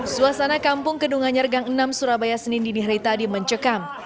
suasana kampung kedunganyar gang enam surabaya senin dini hari tadi mencekam